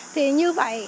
thì như vậy